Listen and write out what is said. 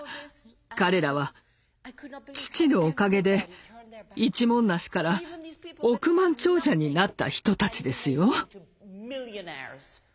彼らは父のおかげで一文無しから億万長者になった人たちですよ。